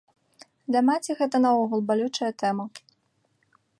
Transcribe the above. Для маці гэта наогул балючая тэма.